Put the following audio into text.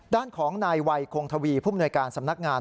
ด้านของนายวัยคงทวีผู้มนวยการสำนักงาน